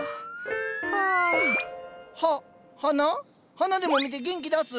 花でも見て元気出す？